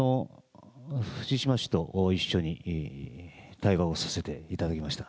藤島氏と一緒に対話をさせていただきました。